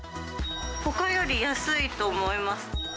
ほかより安いと思います。